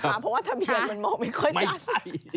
เพราะว่าทะเบียนมันมองไม่ค่อยชัด